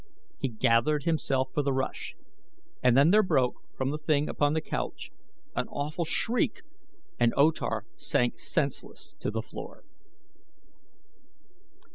He gathered himself for the rush and then there broke from the thing upon the couch an awful shriek, and O Tar sank senseless to the floor.